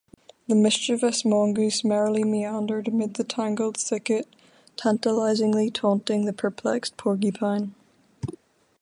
The mischievous mongoose merrily meandered amid the tangled thicket, tantalizingly taunting the perplexed porcupine.